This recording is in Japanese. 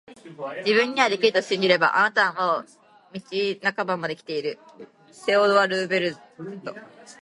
自分にはできると信じれば、あなたはもう道半ばまで来ている～セオドア・ルーズベルト～